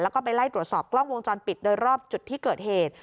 แล้วก็ไปไล่ตรวจสอบกล้องวงจรปิดโดยรอบจุดที่เกิดเหตุ